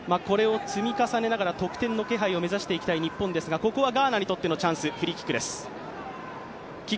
これを積み重ねながら得点の気配を目指したい日本ですがここはガーナにとってのチャンス、フリーキックです。